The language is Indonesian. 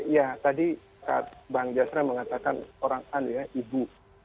ya tadi bang jasra mengatakan orang un ya ibu